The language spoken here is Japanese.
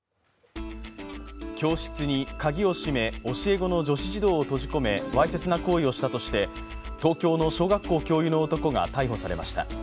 教室にカギを閉め教え子の女子児童を閉じ込めわいせつな行為をしたとして、東京の小学校教諭の男が逮捕されました。